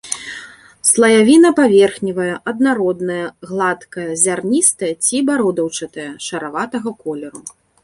Слаявіна паверхневая, аднародная, гладкая, зярністая ці бародаўчатая шараватага колеру.